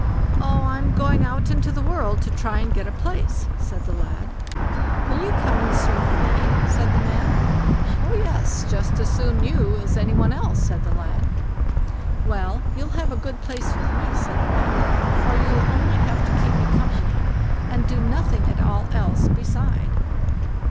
"Oh, I'm going out into the world to try and get a place", said the lad. "Will you come and serve me?" said the man. "Oh yes; just as soon you as any one else", said the lad. "Well, you'll have a good place with me", said the man; "for you'll only have to keep me company, and do nothing at all else beside."